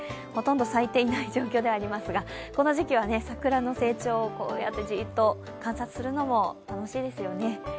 ほとんど咲いていない状況ではありますが、この時期は桜の成長をこうやってじっと観察するのも楽しいですね。